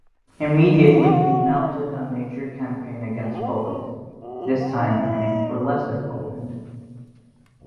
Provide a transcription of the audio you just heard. Immediately he mounted a major campaign against Poland, this time aiming for Lesser Poland.